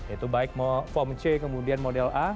itu baik form c kemudian model a